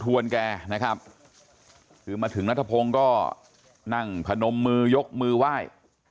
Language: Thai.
แกนะครับคือมาถึงนัทพงศ์ก็นั่งพนมมือยกมือไหว้